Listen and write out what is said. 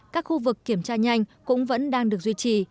các khu vực kiểm tra nhanh cũng vẫn đang được duy trì